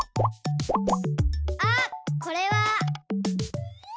あっこれは。